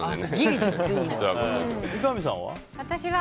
三上さんは？は？